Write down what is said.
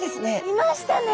いましたね！